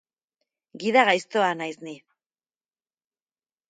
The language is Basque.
Gida gaiztoa naiz, ni!